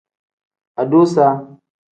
Adusa.